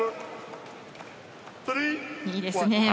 いいですね。